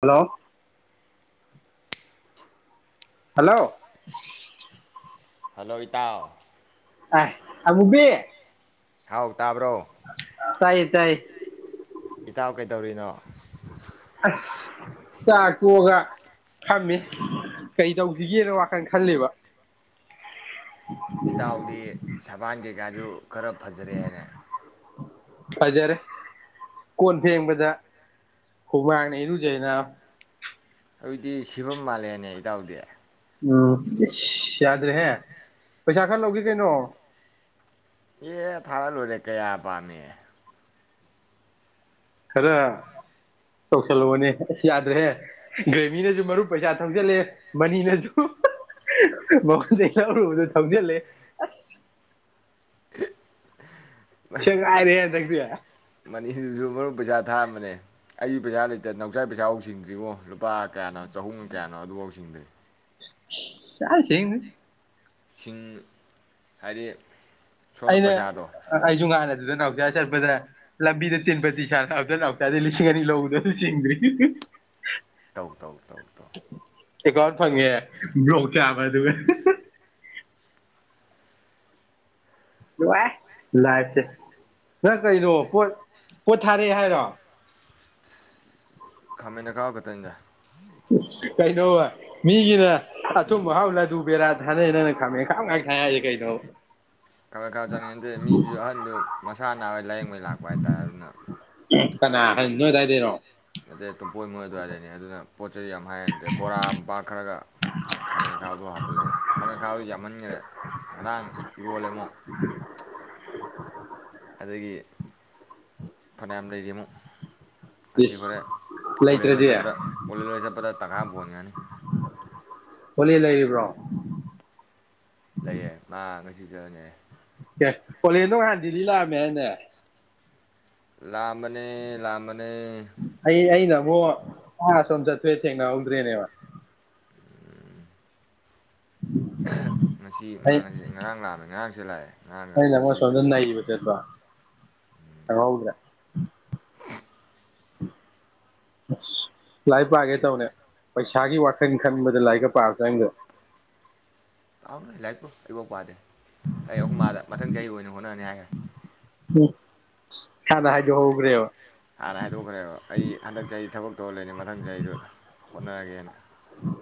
Hello hello hello ꯏꯇꯥꯎ ꯍꯥꯏ ꯑꯃꯨꯕꯤ ꯍꯥꯎ ꯇꯥꯕ꯭ꯔꯣ ꯇꯥꯏꯌꯦ ꯇꯥꯏ ꯏꯇꯥꯎ ꯀꯩꯗꯧꯔꯤꯅꯣ ꯑꯁ ꯆꯥꯛ ꯇꯣꯛꯑꯒ ꯐꯝꯃꯤ ꯀꯩ ꯇꯧꯁꯤꯒꯦꯅ ꯋꯥꯈꯜ ꯈꯜꯂꯦꯕ ꯏꯇꯥꯎꯗꯤ ꯁꯕꯥꯟꯒꯥ ꯒꯗꯣ ꯈꯔ ꯐꯖꯔꯦ ꯍꯥꯏꯅꯦ ꯐꯖꯔꯦ ꯀꯣꯟ ꯐꯦꯡꯕꯗ ꯍꯨꯃꯥꯡꯅ ꯏꯔꯨꯖꯩ ꯅꯥꯕꯥ ꯑꯗꯨꯗꯤ ꯁꯤꯐꯝ ꯃꯥꯜꯂꯦꯅꯦ ꯏꯇꯥꯎꯗꯤ ꯎꯝ ꯏꯁ ꯌꯥꯗ꯭ꯔꯦꯍꯦ ꯄꯩꯁꯥ ꯈꯔ ꯂꯧꯒꯦ ꯀꯩꯅꯣ ꯑꯦ ꯊꯥꯔ ꯂꯣꯏꯔꯦ ꯀꯌꯥ ꯄꯥꯝꯃꯤ ꯈꯔ ꯇꯧꯁꯜꯂꯣꯅꯦ ꯑꯁ ꯌꯥꯗ꯭ꯔꯦꯍꯦ ꯒ꯭ꯔꯦꯕꯤꯅꯁꯨ ꯃꯔꯨꯞ ꯄꯩꯁꯥ ꯊꯧꯖꯜꯂꯦ ꯃꯅꯤꯅꯁꯨ ꯃꯉꯣꯟꯗꯩꯩ ꯂꯧꯎꯔꯨꯕꯗ ꯊꯧꯖꯤꯜꯂꯦ ꯑꯁ ꯁꯦꯒꯥꯏꯔꯦꯍꯦ ꯍꯟꯗꯛꯇꯤ ꯃꯅꯤꯗꯨꯁꯨ ꯃꯔꯨꯞ ꯄꯩꯁꯥ ꯊꯥꯑꯝꯕꯅꯦ ꯑꯩꯒꯤ ꯄꯩꯁꯥ ꯂꯩꯇꯦ ꯅꯥꯎꯆꯥ ꯄꯩꯁꯥꯐ ꯁꯤꯡꯗ꯭ꯔꯤꯕꯣ ꯂꯨꯄꯥ ꯀꯌꯥꯅꯣ ꯆꯍꯨꯝ ꯀꯌꯥꯅꯣ ꯍꯥꯎꯖꯤꯛꯐꯥꯎ ꯁꯤꯡꯗ꯭ꯔꯤ [unintelligible] ꯂꯤꯁꯤꯡ ꯇꯔꯦꯠ ꯑꯩꯅ ꯑꯩꯁꯨ ꯉꯥꯍꯟ ꯑꯗꯨꯗ ꯆꯠꯄꯗꯅꯦ ꯂꯝꯕꯤꯗ ꯇꯤꯟꯕꯗꯤ ꯁꯥꯟꯅꯕꯗ ꯅꯥꯎꯆꯗꯒꯤ ꯂꯤꯁꯤꯡ ꯑꯅꯤ ꯂꯧꯔꯗꯣ ꯑꯗꯨꯁꯨ ꯆꯤꯡꯗ꯭ꯔꯤ ꯇꯧ ꯇꯧ ꯇꯧ ꯇꯧ [inaudible] ꯐꯪꯉꯦ ꯕꯂꯣꯛ ꯆꯥꯕ ꯑꯗꯨ ꯅꯨꯡꯉꯥꯏꯔꯦ ꯂꯥꯏꯐꯁꯦ ꯅꯪ ꯀꯩꯅꯣ ꯄꯣꯠ ꯄꯣꯠ ꯊꯥꯔꯛꯑꯦ ꯍꯥꯏꯔꯣ [unintelligible] ꯀꯩꯅꯣꯕ ꯃꯤꯒꯤꯅ ꯑꯊꯨꯝ ꯑꯍꯥꯎ ꯂꯗꯨ ꯕꯦꯔꯥ ꯊꯥꯅꯩ ꯅꯪꯅ ꯈꯥꯃꯦꯟ ꯑꯈꯕꯥ ꯉꯥꯛ ꯊꯥꯏ ꯍꯥꯏꯁꯦ ꯀꯩꯅꯣ ꯈꯔ ꯈꯔ ꯆꯠꯅꯤꯡꯉꯠꯇꯦ ꯃꯤꯁꯨ ꯑꯍꯟꯗꯨ ꯃꯁꯥ ꯅꯥ ꯂꯥꯏꯌꯦꯡꯕꯩ ꯂꯥꯛꯄ ꯍꯥꯏꯇꯥꯔꯦ ꯑꯗꯨꯅ ꯀꯅꯥ ꯍꯥꯏ ꯅꯣꯏꯑꯗꯥꯏꯗꯩꯔꯣ ꯅꯠꯇꯦ ꯇꯨꯝꯄꯣꯛ ꯃꯣꯏ ꯑꯗꯨꯋꯥꯏꯗꯅꯦ ꯑꯗꯨꯅ ꯄꯣꯠ ꯆꯩꯩ ꯌꯥꯝ ꯍꯥꯏꯍꯟꯗ꯭ꯔꯦ ꯕꯣꯔꯥ ꯃꯄꯥꯛ ꯈꯔꯒ ꯈꯥꯃꯦꯟꯈꯥꯗꯣ ꯍꯥꯞꯄꯜꯂꯛꯑꯦ ꯈꯥꯃꯦꯟ ꯑꯈꯥꯥꯎꯗꯨ ꯌꯥꯝꯍꯟꯈ꯭ꯔꯦ ꯉꯔꯥꯡ ꯏꯔꯣꯜꯂꯦ ꯑꯃꯨꯛ ꯎꯝ ꯑꯗꯒꯤ ꯐꯅꯌꯥꯝ ꯂꯩꯔꯤ ꯑꯃꯨꯛ ꯑꯁꯤ ꯏꯁ ꯍꯔꯦꯟ ꯑꯣꯂꯦꯟ ꯍꯣꯏ ꯂꯩꯇ꯭ꯔꯗꯤ ꯆꯠꯄꯗ ꯑꯣꯂꯦꯟ ꯍꯣꯏ ꯆꯠꯄꯗ ꯇꯪꯈꯥꯏ ꯑꯃꯥ ꯄꯨꯍꯟꯒꯔꯥꯅꯤ ꯑꯣꯂꯦꯟ ꯂꯩꯔꯤꯕ꯭ꯔꯣ ꯂꯩꯌꯦ ꯃꯥ ꯉꯁꯤ ꯆꯠꯂꯅꯤ ꯍꯥꯏꯌꯦ꯫ ꯑꯦ ꯀꯣꯂꯦꯟꯗꯣ ꯍꯥꯟꯗꯤꯜꯂꯤ ꯂꯥꯛꯑꯝꯃꯦ ꯍꯥꯏꯅꯦ ꯂꯥꯛꯑꯝꯕꯅꯦ ꯂꯥꯛꯑꯝꯕꯅꯦ ꯑꯣ ꯃꯅꯥ ꯑꯁꯣꯝ ꯆꯠꯄꯩ ꯊꯦꯛꯅꯍꯧꯗ꯭ꯔꯦꯅꯦꯕ ꯃꯁꯤ [inaudible] ꯉꯔꯥꯡ ꯂꯥꯛꯑꯝꯃꯤꯅꯤ ꯉꯔꯥꯡ [unintelligible] ꯂꯛ ꯑꯦ [inaudible] ꯑꯁꯣꯝꯗꯥ ꯅꯩꯕꯥ ꯆꯠꯄꯥ [inaudible] ꯑꯁ ꯂꯥꯏꯔꯤꯛ ꯄꯥꯒꯦ ꯇꯧꯅꯦ ꯄꯩꯁꯥꯒꯤ ꯋꯥꯈꯜ ꯈꯟꯕꯗ ꯂꯥꯏꯔꯤꯛꯀ ꯄꯥꯕꯥ ꯆꯪꯗꯦ ꯂꯥꯏꯔꯤꯛ ꯑꯩꯕꯨ ꯄꯗꯦ ꯑꯩ ꯑꯈꯣꯏ ꯃꯥꯗ ꯃꯊꯪ ꯆꯍꯤ ꯑꯣꯏꯅ ꯍꯣꯠꯅꯔꯥꯅꯤ ꯍꯥꯏꯒ꯭ꯔꯦ ꯎꯝ ꯆꯥꯗ ꯍꯥꯗꫭꯛ ꯍꯧꯒ꯭꯭ꯔꯦꯕ ꯍꯥꯟꯅ ꯍꯥꯏꯗꯣꯛꯈ꯭ꯔꯦꯕ ꯑꯩ ꯍꯟꯗꯛ ꯆꯍꯤ ꯊꯕꯛ ꯇꯧ ꯂꯩꯅꯤ ꯃꯊꯪ ꯆꯍꯤꯗ ꯑꫭꯏꯅ ꯍꯣꯠꯅꯔꯒꯦꯅ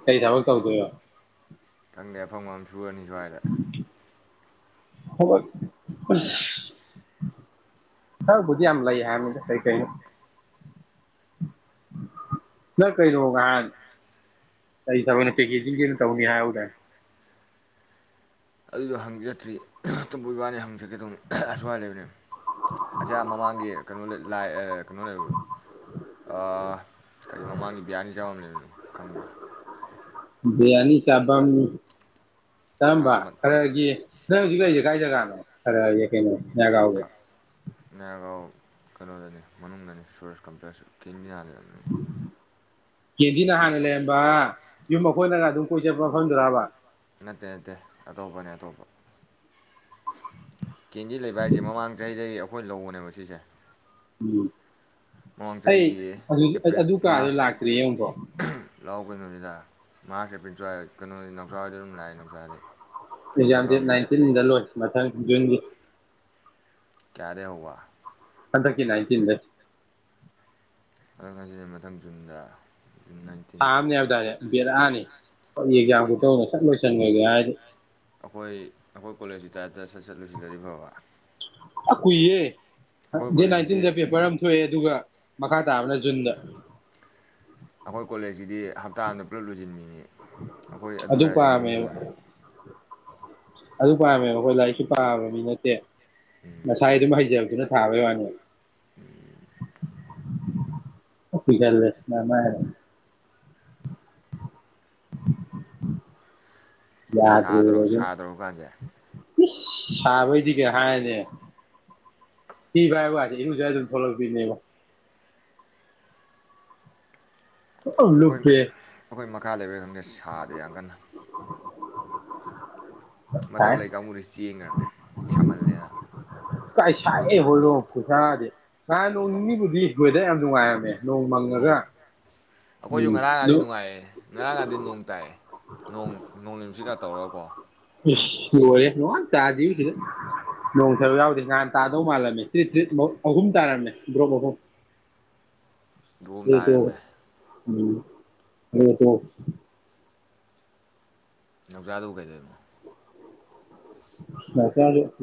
ꯀꯩ ꯊꯕꯛ ꯇꯧꯗꯣꯏꯕ ꯈꯪꯗꯦ ꯑꯐꯪꯕ ꯁꯨꯔꯅꯤ ꯁ꯭ꯋꯥꯏꯗ [inaudible] ꯊꯕꯛ ꯄꯨꯗꯤ ꯌꯥꯝ ꯂꯩꯥꯏ ꯍꯥꯏꯕꯅꯤꯗ ꯀꯩ ꯀꯩ ꯅꯣ ꯅꯪ ꯀꯩꯅꯣ ꯉꯍꯥꯟ ꯀꯩ ꯊꯕꯛ ꯄꯦꯛꯀꯦꯖꯤꯡꯒꯤ ꯑꯣꯏꯅ ꯇꯧꯅꯤ ꯍꯥꯏꯍꯧꯗꯥꯏꯅꯦ ꯑꯗꯨꯗꯣ ꯍꯪ ꯌꯥꯇ꯭ꯔꯤ [unintelligible] ꯨꯃꫭꯏꯕꯥꯅꯤ ꯍꯪ [unintelligible] ꯑꯗꯨꯝ ꯑ ꯑꯁꯨꯋꯥꯏ ꯂꯩꯕꯅꯦ ꯑꯁꯦ ꯑ ꯃꯃꯥꯡꯒꯤ ꯀꯩꯅꯣ ꯂꯩ ꯂꯥꯏ ꯑ ꯀꯩꯅꯣ ꯂꯩꯕꯗꫭ ꯑ ꯀꯔꯤ ꯃꯃꯥꯡꯒꯤ ꯕꯤꯌꯥꯅꯤ ꯆꯥꯕꯝ ꯂꯩꯕꯗꫭ ꯈꯪꯕ꯭ꯔꯥ ꯕꯤꯌꯥꯅꯤ ꯆꯥꯚꯝ ꯀꯔꯝꯕ ꯑꯃ ꯈꯔꯒꯤ ꯅꯪ ꯍꯧꯖꯤꯛ ꯂꯩꯁꯦ ꯀꯥꯏ ꯖꯒꯥ ꯅꫭ [unintelligible] ꯀꯩꯅꯣ ꯅꯥꯒꯥꯎꯒꯤ ꯍ ꯅꯒꯥꯎ ꯀꯩꯅꯣꯗꯅꯤ ꯃꯅꯨꯡꯗꯅꯤ ꯁꯨꯔꯖ ꯀꯝꯄ꯭ꯂꯦꯛꯁꯀꯤ ꯃꯌꯥꯗ ꯀꯦꯟꯗꯤꯅ ꯍꯥꯟꯅ ꯂꯩꯔꯝꯕꯥ ꯌꯨꯝ ꯑꯩꯈꯣꯏꯅꯒ ꯑꯗꯨꯝ ꯀꯣꯏ ꯆꯠꯄ ꯃꯐꯝꯗꯨꯔꯥꯕꯥ ꯅꯠꯇꯦ ꯅꯠꯇꯦ ꯑꯇꯣꯞꯄꯅꯦ ꯑꯇꯣꯞꯄ ꯀꯦꯟꯗꯤ ꯂꯩꯕ ꯍꯥꯏꯁꯦ ꯃꯃꯥꯡ ꯆꯍꯤꯗꯩ ꯑꯩꯈꯣꯏ ꯂꯧꯕꯅꯦꯕ ꯁꯤꯁꯦ ꯎꯝ ꯃꯃꯥꯡ ꯑꯩ ꯆꯍꯤꯒꯤ ꯑꯗꯨ ꯑꯦꯄ꯭ꯔꯤꯜ ꯑꯗꯨ ꯀꯥꯗꯨ ꯃꯥꯔꯆ ꯂꯥꯛꯇ꯭ꯔꯤꯌꯦ ꯑꯃꯨꯛꯐꯥꯎ ꯂꯥꯎ ꯀꯩꯅꯣꯅꯤꯗ ꯃꯥꯔꯁ ꯑꯦꯄꯔꯤꯜ ꯁꯋꯥꯏ ꯀꯩꯅꯣꯅꯤ ꯅꯎꯆꯥ ꯍꯣꯏꯗ ꯑꯗꯨꯝ ꯂꯥꯛꯑꯦ ꯅꯥꯎꯆꯥ [unintelligible] ꯑꯦꯛꯖꯥꯝ ꯗꯦꯠ ꯈꯪꯉꯝꯅꯤ ꯅꯥꯏꯟꯇꯤꯟꯗ ꯂꯣꯏ ꯃꯊꯪ [unintelligible] ꯀꯌꯥꯗꯩ ꯍꯧꯕꯥ ꯍꯟꯗꯛꯀꯤ ꯅꯥꯏꯇꯤꯟꯗ ꯆꯪꯉꯁꯤꯅꯦ ꯃꯊꯪ ꯖꯨꯟꯗ ꯖꯨꯟ ꯅꯥꯏꯟꯇꯤꯟ ꯊꯥ ꯑꯝꯅꯦ ꯍꯥꯏꯕꯗꯥꯏꯅꯦ ꯕꯦꯔꯥꯅꯤ ꯀꯔꯤ ꯑꯦꯛꯖꯥꯝ ꯈꯨꯇꯧꯅꫭ ꯁꯠ ꯂꯣꯏꯁꯟ ꯒ꯭ꯔꯒꯦ ꯍꯥꯏꯗꯦ ꯑꯩꯈꯣꯏ ꯑꯩꯈꯣꯏ ꯀꯣꯂꯦꯖꯀꯤ ꯇꯥꯏꯞꯇ ꯁꯠ ꯁꯠ ꯂꫭꯏꯁꯤꯜꯂꯗꯤ ꯐꯕ ꯀꯨꯏ ꯌꯦ ꯑꯩꯈꯣꯏ ꯗꯦꯠ ꯀꯣꯂꯦꯖꯁꯤꯗꯤ ꯅꯥꯏꯟꯇꯤꯟꯗ ꯄꯦꯄꯔ ꯑꯝ ꯊꯣꯛꯑꯦ ꯑꯗꯨꯒ ꯃꯈꯥ ꯇꯥꯕꯅ ꯖꯨꯟꯗ ꯑꯩꯈꯣꯏ ꯀꯣꯂꯦꯖ ꯖꯤꯗꯤ ꯍꯞꯇꯥ ꯑꯗ ꯄꯨꯂꯞ ꯂꯣꯏꯁꯤꯟꯕꯤꯅꯤ ꯑꯩꯈꯣꯏ ꯑꯗꯨ ꯍꯥꯏꯔꯗꯤ ꯅꯨꯡꯗꯤ ꯅꯨꯡꯉꯥꯏ ꯑꯗꯨ ꯄꯥꯝꯃꯦꯕ ꯑꯩꯈꯣꯏ ꯂꯥꯏꯔꯤꯛꯁꯨ ꯄꯥꯕ ꯃꯤ ꯅꯠꯇꯦ ꯎꯝ ꯃꯁꯥꯏ ꯑꯗꯨꯝ ꯍꯩꯖꯕꯗꯨꯅ ꯊꯥꯕꯩ ꯋꯥꯅꯤ [unintelligible] ꯀꯨꯏꯒꯜꯂꯦ ꯅꯃꯥꯏꯃꯠ ꯁꯥꯗ꯭ꯔꯣ ꯌꯥꯗ꯭ꯔꯦꯕ ꯑꯗꯨꯅ ꯁꯥꯗ꯭ꯔꯣ ꯍꯧꯖꯤꯛ ꯀꯥꯟꯁꯦ ꯏꯁ! ꯁꯥꯕꯩꯗꯤ ꯀꯩ ꯍꯥꯏꯔꯅꯤ ꯊꯤ ꯐꯥꯏꯕ ꯀꯥꯁꯦ ꯏꯔꯨꯖꯔ ꯑꯗꯨꯝ ꯊꫭꯛꯂꯛꯄꯤꯅꯦꯕ꯫ ꯄꯨꯡꯂꯨꯞ ꯑꯩꯈꯣꯏ ꯂꯨꯨꯞꯄꯦ [unintelligible] ꯁꯥꯗꯦ ꯌꯥꯝ ꯀꯟꯅ ꯁꯥꯏ ꯃꯊꯛ ꯂꯩ ꯀꯥꯡꯕꯨꯗꯤ ꯆꯦꯟꯒꯔꯕꯅꯤ ꯁꯥꯃꯜꯂꯦꯅ ꯀꯥꯏ ꯁꯥꯏꯌꯦ ꯍꯧꯖꯤꯛ ꯍꯣꯏꯔꯣꯡ ꯈꯨꯁꯥꯗꯤ ꯉꯍꯥꯟ ꯅꯣꯡꯅꯤꯅꯤꯕꯨꯗꯤ [unintelligible] ꯌꯥꯝ ꯅꯨꯡꯉꯥꯏꯔꯝꯃꯦ ꯅꯣꯡ ꯅꯣꯡ ꯃꯪꯉꯒ ꯑꯩꯈꯣꯏꯁꯨ ꯎꯝ ꯉꯔꯥꯡꯒꯗꯤ ꯑꯗꯨ ꯅꯨꯡꯉꯥꯏꯌꯦ ꯉꯔꯥꯡꯒꯗꯤ ꯅꯣꯡ ꯇꯥꯏꯌꯦ ꯅꯣꯡ ꯅꯣꯡ ꯅꯨꯡꯁꯤꯠꯀꯥ ꯇꯧꯔꯒꯥꯀꯣ ꯏꯁ ꯂꯣꯏꯔꯦ [unintelligible] [unintelligible] ꯌꯥꯎꯗꯦ ꯉꯍꯥꯟ ꯇꯥꯗꯧ ꯃꯥꯜꯂꯝꯃꯦ ꯇꯔꯤꯠ ꯇꯔꯤꯠ ꯑꯍꯨꯝ ꯇꯥꯔꯝꯃꯦ ꯗꯔꯣꯞ ꯑꯍꯨꯝ [unintelligible] ꯗꯣꯝ ꯇꯥ ꯂꯩꯔꯝꯃꯦ [unintelligible] ꯅꯥꯎꯆꯥꯗꯨꯕꯨ ꯀꯩꯗꯧꯔꯤꯅꯣ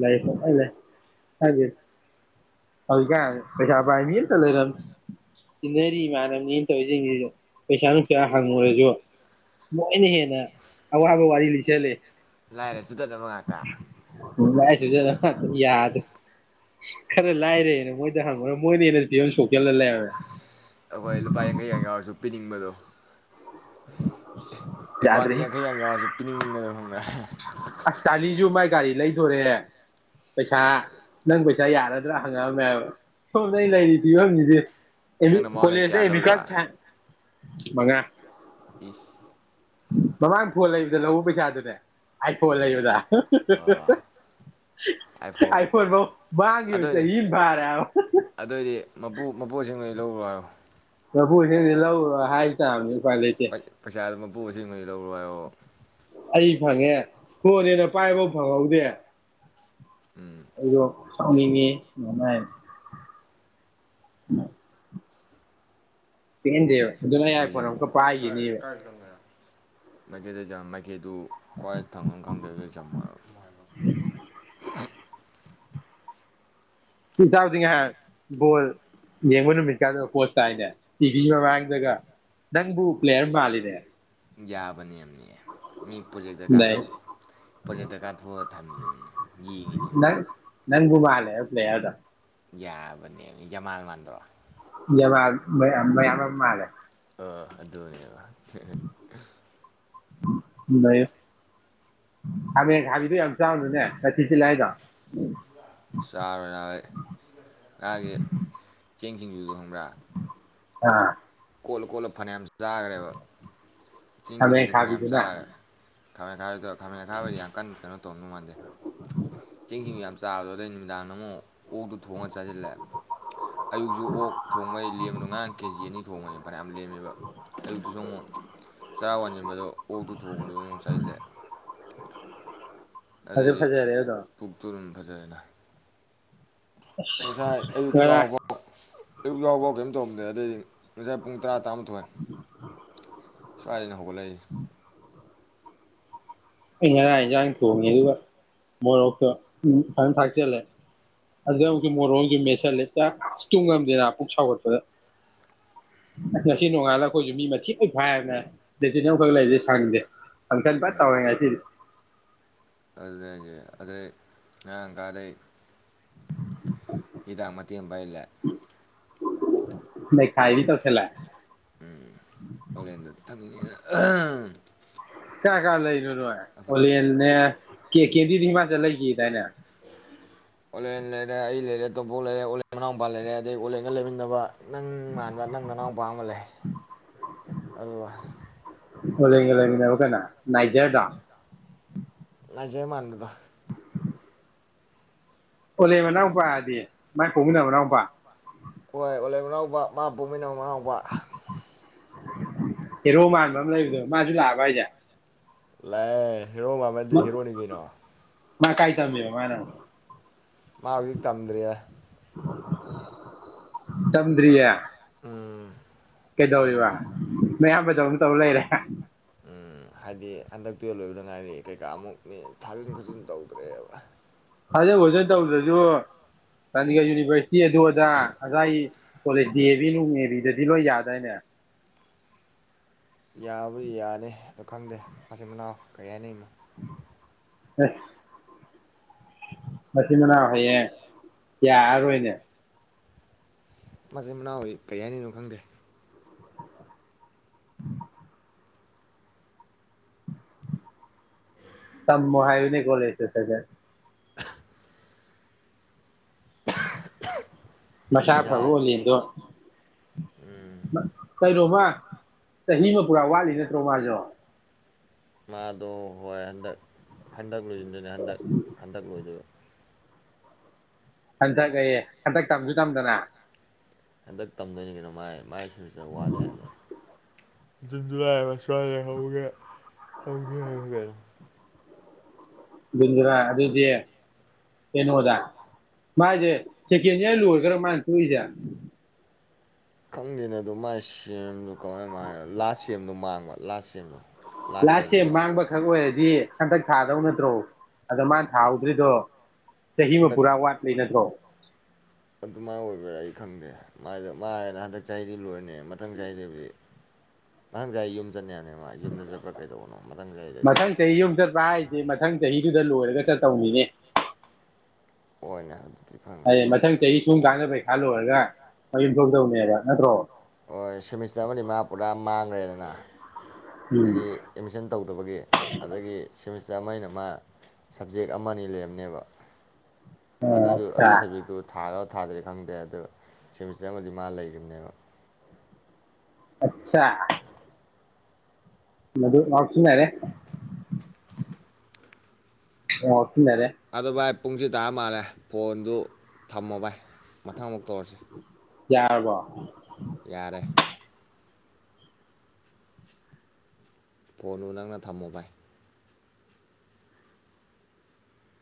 ꯂꯩ ꯂꯩ ꯍꯥꯏꯁꯦ ꯍꯧꯖꯤꯛꯀꯥꯟ ꯄꯩꯁꯥ ꯄꯥꯏ ꯃꯤ ꯑꯃꯝꯇ ꯂꯩꯔꯝ ꯇꯤꯟꯅꯔꯤꯃꯥꯟꯅꯕꯅꯤꯅ ꯇꯧꯔꯤꯁꯤꯡꯁꯤꯁꯨ ꯄꯩꯁꯥ ꯅꯨꯡꯁꯥ ꯍꯪꯉꯨꯔꯁꯨ ꯂꯣꯏꯅ ꯍꯦꯟꯅ ꯑꯋꯥꯕ ꯋꯥꯔꯤ ꯂꯤꯁꯜꯂꯛ ꯂꯥꯏꯔ ꯆꯨꯗꯠꯅꯕ ꯉꯥ [unintelligible] ꯂꯥꯏꯔꯥ ꯆꯨꯗꯠꯅꯕ ꯉꯥꯛꯇꯥ ꯌꯥꯗꯔꯦ ꯈꯔ ꯂꯥꯏꯔꯦꯅ ꯃꯣꯏꯗ ꯍꯪꯉꯨꯔ ꯃꯣꯏꯅ ꯍꯦꯟꯅ ꯐꯤꯚꯝ ꯁꯣꯛꯆꯜꯂ ꯂꯩꯔꯝꯃꯦ ꯑꯩꯈꯣꯏ ꯂꯨꯄꯥ ꯌꯥꯡꯈꯩ ꯌꯥꯡ ꯌꯥꯎꯔꯁꯨ ꯄꯤꯅꯤꯡꯕꯗꯣ ꯑꯦꯀꯥꯎꯟꯗ ꯌꯥꯗ꯭ꯔꯦꯍꯦ ꯌꯥꯡꯈꯩ ꯒꯥꯡ ꯌꯥꯎꯔꯁꯨ ꯄꯤꯅꯤ [unintelligible] ꯑꯁ ꯆꯥꯂꯤꯖꯨ ꯃꯥꯏ ꯒꯥꯔꯤ ꯂꯩ ꯗꯣꯔꯦ ꯄꯩꯁꯥ ꯅꯪ ꯄꯩꯁꯥ ꯌꯥꯔꯗ꯭ꯔꯥ ꯍꯪꯉꯛꯑꯝꯃꯦꯕ ꯁꯣꯝꯗ ꯂꯩꯔꯤ ꯐꯤꯕꯝꯁꯤꯗꯤ ꯅꯪꯅ ꯃꯉꯣꯟꯗꯩ ꯀꯌꯥ ꯂꯧꯔꯤꯕ [unintelligible] ꯃꯉꯥ ꯏꯁ ꯃꯃꯥꯡ ꯐꯣꯟ ꯂꯩꯕꯗ ꯂꯧꯕ ꯄꯩꯁꯥꯗꯨꯅꯦ ꯑꯥꯏꯐꯣꯟ ꯏꯍꯦ ꯂꯩꯕꯗ ꯑꯣ ꯑꯥꯏꯐꯣꯟ ꯐꯧ ꯃꯥꯡꯈꯤꯕ ꯑꯗꯨꯑꯣꯏꯗꯤ ꯆꯍꯤꯑꯝ ꯐꯥꯔꯦ ꯍꯥꯏꯕ ꯂꯧꯔꯨꯔꯣ [unintelligible] [unintelligible] [unintelligible] ꯄꯩꯁꯥ ꯃꯄꯨ ꯑꯁꯦꯡꯕꯗꯩꯩ ꯂꯧꯔꯨ ꯍꯥꯏꯔꯣ ꯑꯩ ꯐꯪꯉꯦ ꯐꯣꯟꯅꯦꯅ ꯄꯥꯏꯕ ꯐꯪꯍꯧꯗꯦ ꯎꯝ ꯑꯩꯗꯣ [unintelligible] ꯄꯦꯟꯗꯦꯕ [unintelligible] [unintelligible] ꯑꯦꯗꯨ ꯀ꯭ꯋꯥꯏ ꯊꯪꯕ ꯈꯪꯗ꯭ꯔꯥꯗꯤ ꯆꯝꯃ ꯍꯥꯏꯕ ꯁꯤ ꯆꯥꯎꯗꯤ ꯉꯥꯏꯍꯥꯛ ꯕꯣꯜ ꯌꯦꯡꯕ ꯅꯨꯃꯤꯠꯀꯥꯗꯣ ꯄꯣꯖ ꯇꯥꯏꯅꯦ ꯇꯤꯚꯤꯒꯤ ꯃꯃꯥꯡꯗꯒ ꯅꯪꯕꯨ ꯄ꯭ꯂꯦꯌꯔ ꯃꯥꯜꯂꯤꯅꯦ ꯌꯥꯕꯅꯤ ꯃꯤ ꯄ꯭ꯔꯣꯖꯦꯛꯇ ꯁꯤꯗꯩ ꯀꯥꯞꯊꯣꯛ ꯄ꯭ꯔꯣꯖꯦꯛꯇ ꯀꯥꯞꯊꯣꯛꯑꯒ ꯊꯝꯃꯤꯅꯦ ꯌꯦꯡꯉꯤꯅꯦ ꯄ꯭ꯂꯦꯌꯥꯔꯗꯣ ꯌꯥꯕꯅꯦꯃꯤ ꯌꯥꯝꯃꯥꯜ ꯃꯥꯟꯗ꯭ꯔꯣ ꯌꯥꯃꯥꯜ ꯃꯌꯥꯝꯕ ꯃꯌꯥꯝꯕ ꯃꯥꯜꯂꯦ ꯑꯥ ꯑꯗꯨꯅꯦꯕ [unintelligible] [unintelligible] ꯈꯥꯃꯦꯟ ꯑꯈꯥꯕꯤꯗꯣ ꯌꯥꯝ ꯆꯥꯎꯅꯨꯅꯦ ꯅꯊꯤ ꯆꯤꯠꯂꯦ ꯍꯥꯏꯗꯣ ꯆꯥꯔ ꯌꯥꯎꯏ [unintelligible] ꯆꯦꯡ ꯁꯤꯡꯖꯨꯗꯣ ꯕ꯭ꯔꯥ ꯑꯥ ꯀꯣꯠꯂ ꯀꯣꯠꯂ ꯐꯅꯌꯥꯝ ꯆꯥꯈꯒ꯭ꯔꯦꯕ ꯆꯦꯡ ꯈꯥꯃꯦꯟ ꯁꯤꯡꯖꯨ ꯐꯅꯌꯥꯝ ꯑꯈꯥꯕꯤꯗꯨꯅ ꯆꯥꯒ꯭ꯔꯦ ꯈꯥꯃꯦꯟꯈꯥꯕꯤꯗꯣ ꯈꯥꯃꯦꯟꯑꯈꯥꯕꯗꯣ ꯌꯥꯝ ꯀꯟꯅ ꯀꯩꯅꯣ ꯇꯧꯔꯝꯗꯧ ꯃꯥꯟꯗꯦ ꯆꯦꯡ ꯁꯤꯡꯖꯨ ꯌꯥꯝ ꯆꯥꯕꯗꯣ ꯑꯗꯩ ꯅꯨꯃꯤꯗꯥꯡꯗ ꯑꯃꯨꯛ ꯑꯣꯛꯇꯨ ꯊꯣꯡꯉꯒ ꯆꯥꯖꯤꯜꯂꯦ ꯑꯌꯨꯛꯁꯨ ꯑꯣꯛ ꯊꯣꯡꯕꯩ ꯂꯦꯝꯕꯗꯣ ꯉꯔꯥꯡ ꯀꯦꯖꯤ ꯑꯅꯤ ꯊꯣꯡꯉꯅꯤ ꯐꯅꯌꯥꯝ ꯂꯦꯝꯃꯦꯕ ꯑꯌꯨꯛꯇꯨꯁꯨ ꯑꯃꯨꯛ ꯆꯔꯥ ꯋꯥꯟꯁꯤꯟꯕꯗꯣ ꯑꯣꯛꯇꯨ ꯊꯣꯡꯕꯗꯨ ꯑꯃꯨꯛ ꯆꯥꯖꯤꯜꯂꯦ ꯐꯖ ꯑꯗꯩꯗꯤ ꯐꯖꯔꯦ ꯑꯗꯣ ꯄꯨꯛ ꯇꯨ ꯗꯨꯝ ꯐꯖꯔꯦꯅ ꯉꯁꯥꯏ ꯑꯌꯨꯛꯇ ꯉꯔꯥꯡ ꯍꯥꯎꯕ ꯑꯌꯨꯛ ꯌꯥꯍꯧꯕꯧ ꯀꯩꯝ ꯇꯧꯔꯝꯗꯦ ꯑꯗꯨꯗꯩ ꯉꯁꯥꯏ ꯄꯨꯡ ꯇꯔꯥꯥ ꯇꯔꯥ ꯍꯣꯏ [unintelligible] ꯁ꯭ꯋꯥꯏꯅ ꯍꯧꯒꯠꯂꯛꯏ ꯑꯩ ꯉꯔꯥꯡ ꯌꯦꯟꯖꯥꯡ ꯊꯣꯡꯉꯦ ꯑꯗꯨꯒ ꯃꯣꯔꯣꯛꯇꯣ ꯐꯖꯅ ꯊꯥꯛꯆꯜꯂꯦ ꯑꯗ ꯃꯨꯛꯁꯨ ꯃꯣꯔꯣꯛ ꯑꯃ ꯃꯦꯠ ꯇꯣꯏꯂꯦꯠꯇ ꯇꯨꯝꯉꯝꯗꯦꯅ ꯄꯨꯛ ꯁꯥꯎꯒꯠꯄꯗ ꯉꯁꯤ ꯅꯣꯡꯉꯥꯜꯂꯛꯄꯒꯤ ꯃꯈꯣꯏꯁꯨ ꯃꯤ ꯃꯊꯤ ꯂꯣꯏ ꯐꯥꯏꯗꯅ ꯂꯦꯇꯤꯟ ꯑꯃꯈꯛ ꯂꯩꯔꯤꯁꯦ ꯁꯪꯗꯦ ꯐꯪꯁꯟ ꯐ ꯎꯝ ꯇꯧꯔꯦ ꯉꯁꯤ ꯇꯤꯟ ꯑꯗꯨꯅꯦ ꯍꯥꯏꯖꯦ ꯑꯗꯩ ꯉꯔꯥꯡ ꯀꯥꯗꯩ ꯉꯔꯥꯡ ꯃꯇꯦꯛ ꯑꯃ [unintelligible] ꯅꯩꯈꯥꯏꯕꯤ ꯇꯧꯁꯤꯜꯂꯦ ꯎꯝ ꯑꯣꯂꯦꯟꯗ ꯊꯛꯅꯤꯡꯑꯦꯅ ꯑꯍꯝ ꯀꯅꯥ ꯀꯅꯥ ꯂꯩꯅꯣ ꯑꯣꯂꯦꯟꯅꯦ ꯀꯦ ꯀꯦꯖꯤꯗꯤ ꯍꯤꯃꯁꯗ ꯂꯩꯈꯤꯗꯥꯥꯏꯅꯦ ꯑꯣꯂꯦꯟ ꯂꯩꯔꯦ ꯑꯩ ꯂꯩꯔꯦ ꯇꯣꯄꯣꯛ ꯂꯩꯔꯦ ꯑꯣꯟꯂꯦꯟ ꯃꯅꯥꯎ ꯅꯨꯄꯥ ꯂꯩꯔꯦ ꯑꯗꯩ ꯑꯣꯂꯦꯟꯒ ꯂꯩꯃꯤꯟꯅꯕ ꯅꯪ ꯃꯥꯟꯕ ꯅꯪ ꯃꯅꯥꯎ ꯃꯨꯄꯥ ꯑꯃ ꯂꯩ ꯑꯗꯨꯒ ꯑꯣꯂꯦꯟꯒ ꯂꯩꯃꯤꯟꯅꯕ ꯀꯅꯥ ꯅꯥꯏꯒꯦꯔ ꯗꯣ ꯅꯥꯏꯒꯦꯔ ꯃꯥꯟꯕꯗꯣ ꯑꯣꯂꯦꯟ ꯃꯅꯥꯎꯄꯥꯗꯤ ꯃꯥꯏ ꯄꯣꯀꯃꯤꯟꯅꯕ ꯃꯅꯥꯎꯄꯥ ꯍꯣꯏ ꯑꯣꯂꯦꯟ ꯃꯅꯥꯎꯕ ꯃꯥꯏ ꯄꯣꯛꯃꯤꯟꯅꯕ ꯃꯅꯥꯎꯕ ꯍꯦꯔꯣ ꯃꯥꯟꯕ ꯑꯃ ꯂꯩꯥꯕꯗꯣ ꯃꯥꯁꯨ ꯂꯥꯛꯑꯕꯣ ꯍꯥꯏꯁꯦ꯫ ꯂꯥꯛꯑꯦ ꯍꯦꯔꯣ ꯃꯥꯟꯕ ꯅꯠꯇꯦ ꯍꯦꯔꯣꯅꯤ ꯀꯩꯅꯣ ꯃꯥ ꯀꯥꯏ ꯊꯝꯕꯤꯕ ꯃꯥꯥꯅ ꯑꯃꯨꯛ ꯃꯥ ꯍꯧꯖꯤꯛ ꯇꯝꯗ꯭ꯔꯤ ꯇꯝꯗꯔꯤꯌꯥ ꯎꯝ ꯇꯝꯗꯦ ꯀꯩꯗꯧꯔꯤꯕ ꯇꯧꯕ ꯂꯩꯔꯦ ꯍꯥꯏꯗꯤ ꯍꯟꯗꯛꯇꯨꯌꯦ ꯂꯣꯏꯕꯗ ꯉꯥꯏꯔꯤ ꯀꯩꯀꯥ ꯑꯃꯨꯛ ꯃꯤ ꯊꯥꯖꯤꯟ ꯈꯣꯖꯤꯟ ꯇꯧꯗ꯭ꯔꯦꯕ ꯊꯥꯖꯤꯟ ꯈꫭꯖꯟ ꯇꯧꯗ꯭ꯔꯁꯨ ꯌꯨꯅꯤꯚꯔꯁꯤꯇꯤ ꯑꯗꯨ ꯑꯗꯥ ꯉꯁꯥꯏ ꯀꯣꯂꯦꯖ ꯑꯦꯕꯤ ꯅꯨꯡ ꯑꯦꯕꯤꯗꯗꯤ ꯂꯣꯏ ꯌꯥꯗꯏꯅꯦ ꯌꯥꯕ ꯌꯥꯅꯤ ꯑꯗꯣ ꯈꯪꯗꯦ ꯃꯥꯆꯤꯟ ꯃꯅꯥꯎ ꯀꯔꯤ ꯍꯥꯏꯅ ꯏꯃꯣ ꯑꯁ ꯃꯁꯤꯟ ꯃꯅꯥꯎ ꯍꯌꯦꯡ ꯌꯥꯔꯣꯏꯅꯦ ꯃꯆꯤꯟ ꯃꯅꯥꯎꯏ ꯀꯔꯤꯍꯥꯏꯗꫭꯏꯅꯣ ꯈꯪꯗꯦ ꯁꯃꯨ ꯍꯥꯏꯌꯅꯦ ꯀꯣꯂꯦꯇꯦ ꯁꯒꯦꯟ ꯃꯁꯥ ꯐꯕ ꯏꯁꯥ ꯑꯣꯂꯦꯟꯗꯣ ꯀꯩꯅꯣꯃ ꯆꯍꯤ ꯑꯃ ꯄꯨꯔ ꯋꯥꯂꯤ ꯅꯠꯇ꯭ꯔꯣ ꯃꯥꯔꯖꯣ ꯃꯥꯗꯣ ꯍ ꯑꯗ ꯍꯟꯗꯛ ꯂꯣꯏꯁꯤꯟꯗꯣꯏꯅꯤ ꯍꯟꯗꯛ ꯍꯟꯗꯛ ꯂꯣꯏꯗꯣꯏ ꯍꯟꯊꯛ ꯑꯩꯌꯦ ꯍꯟꯊꯛ ꯇꯝꯁꯨ ꯇꯝꯗꯅ ꯍꯟꯗꯛ ꯇꯝꯗꯣꯏꯅꯤ ꯀꯩꯅꯣ ꯃꯥꯏ ꯃꯥꯏ ꯑꯗꯨꯗ ꯋꯥꯠꯂꯦ ꯃꯥꯜꯂꯦ ꯗꯨ ꯍꯥꯏꯕꯁꯋꯥꯔꯦ ꯍꯧꯒꯦ ꯍꯧꯒꯦ ꯍꯥꯏꯕ ꯀꯩꯅꯣ [unintelligible] ꯒꯨꯟꯗ꯭ꯔꯥ ꯑꯗꯨꯗꯤ ꯀꯩꯅꯣꯗ ꯃꯥꯏꯁꯦ ꯁꯦꯀꯦꯟ ꯌꯥꯔ ꯂꯣꯏꯔꯒꯔꯣ ꯃꯥꯅ ꯇꯣꯛꯏꯁꯦ ꯈꯪꯗꯦꯅꯦ ꯑꯗꯣ ꯃꯥꯏ ꯁꯦꯝ ꯒꯣꯔ ꯃ [unintelligible] ꯂꯥꯁ ꯁꯦꯝꯗꯣ ꯃꯥꯡꯕ ꯂꯥꯁ ꯁꯦꯝ ꯗꯣ ꯂꯥꯁ ꯁꯦꯝ ꯃꯥꯡꯕ ꯈꯛ ꯑꯣꯏꯔꯗꯤ ꯍꯟꯗꯛ ꯊꯥꯗꯧ ꯅꯠꯇ꯭ꯔꯣ ꯑꯗ ꯃꯥ ꯊꯥꯍꯧꯗ꯭ꯔꯤꯗꯣ ꯆꯍꯤꯃ ꯍꯟꯗꯛ ꯄꯨꯔꯥ ꯋꯥꯠꯄꯩ ꯅꯠꯇ꯭ꯔꯣ ꯑꯗꯨꯃꯥꯏꯅ ꯑꯣꯏꯕ꯭ꯔꯥ ꯑꯩ ꯈꯪꯗꯦꯗ ꯃꯥꯅ ꯍꯟꯗꯛ ꯆꯍꯤꯗꯤ ꯂꯣꯏꯔꯅꯤ ꯃꯊꯪ ꯆꯥꯏꯗꯕꯗꯤ ꯃꯊꯪ ꯆꯍꯤ ꯌꯨꯝ ꯆꯠꯅꯦꯕꯅꯦ ꯃꯥ ꯌꯨꯝꯗ ꯆꯠꯄ꯭ꯔꯥ ꯀꯩꯗꯧꯕꯅꯣ ꯃꯊꯪ ꯆꯍꯤꯗꯗꯤ ꯃꯊꯪ ꯆꯍꯤ ꯌꯨꯝ ꯆꯠꯄ ꯍꯥꯏꯁꯦ ꯃꯊꯪ ꯆꯍꯤꯗꯨꯗ ꯂꯣꯏꯔꯒ ꯆꯠꯇꯧꯅꯤꯅꯦ ꯍꯣꯏꯅꯦ [unintelligible] ꯍꯥꯏꯗꯤ ꯈꯪꯗꯦ ꯃꯊꯪ ꯑꯩꯁꯦ ꯆꯍꯤ ꯁꯨꯝ ꯀꯥꯟꯗ ꯄꯩꯈꯥ ꯂꯣꯏꯔꯒ [unintelligible] ꯇꯧꯅꯦꯕ ꯅꯠꯇ꯭ꯔꯣ ꯍꯣꯏ ꯁꯦꯃꯤꯁꯇꯔ ꯑꯃꯗꯤ [unintelligible] ꯎꯝ ꯍꯥꯏꯗꯤ ꯑꯦꯠꯃꯤꯁꯟ ꯇꯧꯗꯕꯒꯤ ꯑꯗꯒꯤ ꯁꯦꯃꯤꯁ [unintelligible] ꯃꯩꯅ ꯃꯥ ꯁꯕꯖꯦꯛ ꯑꯃ ꯑꯅꯤ ꯂꯩꯔꯝꯅꯦꯕ ꯑꯗꯨꯏꯗꯣ ꯑꯠꯆꯥ ꯑꯗꯨꯏꯒꯤ ꯁꯖꯦꯛꯇꯤ ꯊꯥꯔꯥ ꯊꯥꯗꯦ ꯈꯪꯗꯦ ꯑꯗꯣ ꯁꯤꯃꯤꯁꯇꯔ ꯑꯃꯗꯤ ꯃꯥ ꯂꯩꯔꯤꯝꯅꯦꯕ ꯑꯆꯁꯥ ꯃꯗꯨ ꯉꯥꯎꯁꯤꯟꯅꯔꯦ ꯑꯣ ꯑꯗꯣ ꯚꯥꯏ ꯄꯨꯡꯁꯦꯇꯥꯔꯥ ꯃꯥꯜꯂꯦ ꯐꯣꯟꯗꯨ ꯊꯝꯃꯣ ꯚꯥꯏ ꯃꯊꯪ ꯑꯃꯨꯛ ꯇꯧꯔꯥꯁꯦ ꯌꯥꯔꯕꯣ ꯌꯥꯔꯦ ꯐꯣꯟꯗꯨ ꯅꯪꯅ ꯊꯝꯃꯣ ꯚꯥꯏ